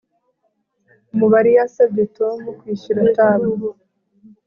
Umubari yasabye Tom kwishyura tab